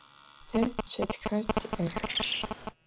Te çetxer ti'ex.